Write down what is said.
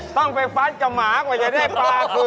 ต้องไปฟัดกับหมากว่าจะได้ปลาคือ